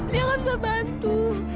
lia aku bisa bantu